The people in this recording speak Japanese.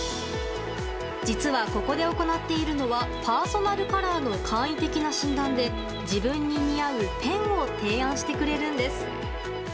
実はここで行っているのはパーソナルカラーの簡易的な診断で自分に似合うペンを提案してくれるんです。